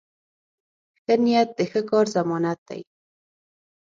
ښه نیت د ښه کار ضمانت دی.